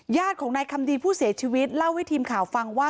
ญาติของนายคำดีผู้เสียชีวิตเล่าให้ทีมข่าวฟังว่า